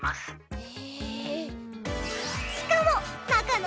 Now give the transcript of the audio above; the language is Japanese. へえ！